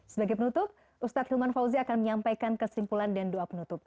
sebagai penutup ustadz hilman fauzi akan menyampaikan kesimpulan dan doa penutup